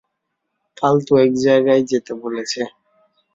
ফালতু এক জায়গায় যেতে বলছে।